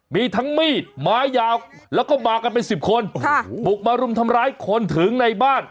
มีทั้งมีดไม้ยาวแล้วก็มากันเป็นสิบคนบุกมารุมทำร้ายคนถึงในบ้าน